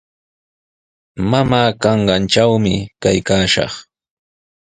Mamaa kanqantrawmi kaykaashaq.